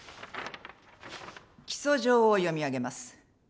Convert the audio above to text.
起訴状を読み上げます。